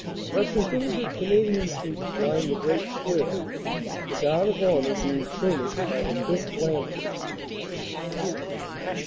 Repre sentative Canadian troops line the great square, the guard of honor being furnished by the 5th. Lancers.